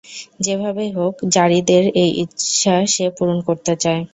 যেভাবেই হোক যারীদের এই ইচ্ছা সে পূরণ করতে চায়।